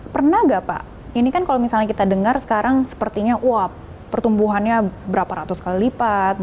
pernah nggak pak ini kan kalau misalnya kita dengar sekarang sepertinya wah pertumbuhannya berapa ratus kali lipat